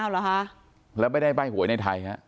แล้วไม่ได้ใบ้หวยในไทย